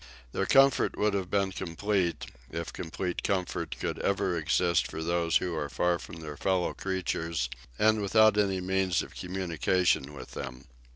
Their comfort would have been complete, if complete comfort could ever exist for those who are far from their fellow creatures, and without any means of communication with them.